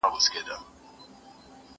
زه به سبا اوبه پاک کړم؟!